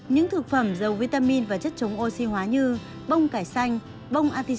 những thực phẩm dầu vitamin và chất chống oxy hóa như bông cải xanh bông atis